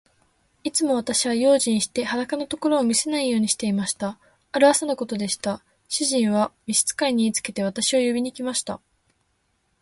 いつも私は用心して、裸のところを見せないようにしていました。ある朝のことでした。主人は召使に言いつけて、私を呼びに来ました。